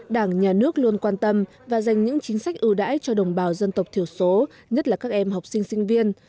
đảng nhà nước luôn quan tâm và dành những chính sách ưu đãi cho đồng bào dân tộc thiểu số nhất là các em học sinh sinh viên